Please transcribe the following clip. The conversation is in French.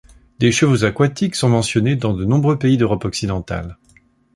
Des chevaux aquatiques sont mentionnés dans de nombreux pays d'Europe occidentale.